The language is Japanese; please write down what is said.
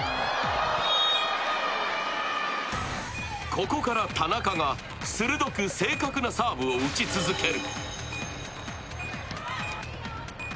ここから田中が鋭く正確なサーブを打ち続ける。